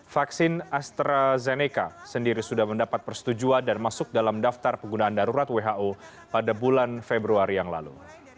vaksin astrazeneca sendiri sudah mendapat persetujuan dan masuk dalam daftar penggunaan darurat who pada bulan februari yang lalu